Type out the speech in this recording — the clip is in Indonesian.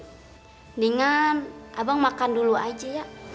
mendingan abang makan dulu aja ya